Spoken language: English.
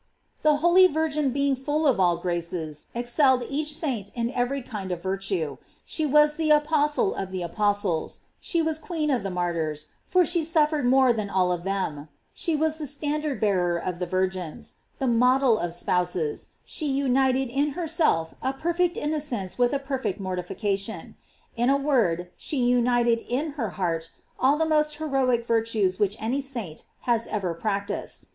The holy Virgin being full of all graces, excelled each saint in every kind of virtue; she was the apostle of the apostles; she was queen of the martyrs, for she suffered more than all of them; she was the standard bearer of the virgins, the model of spouses; she united in herself a perfect innocence with a perfect mortification; in a word, she united in her heart all the most heroic virtues which any saint has ever practised.